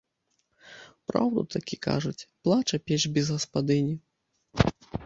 Праўду такі кажуць, плача печ без гаспадыні.